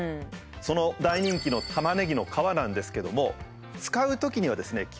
その大人気のタマネギの皮なんですけども使うときにはですね